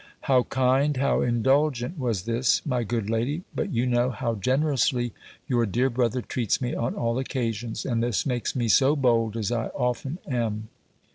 How kind, how indulgent was this, my good lady! But you know, how generously your dear brother treats me, on all occasions; and this makes me so bold as I often am.